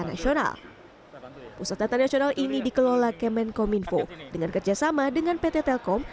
nasional pusat data nasional ini dikelola kemenkominfo dengan kerjasama dengan pt telkom